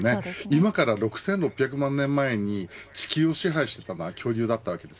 今から６６００万年前に地球を支配していたのは恐竜でした。